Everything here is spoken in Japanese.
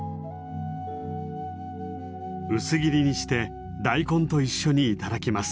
薄切りにして大根と一緒に頂きます。